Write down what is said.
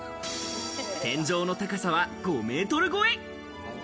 天井の高さは５ｍ超え。